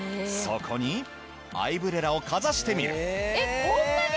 そこにアイブレラをかざしてみる。